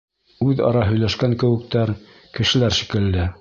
Үҙ-ара һөйләшкән кеүектәр, кешеләр шикелле.